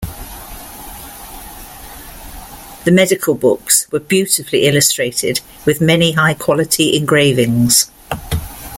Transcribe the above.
The medical books were beautifully illustrated with many high quality engravings.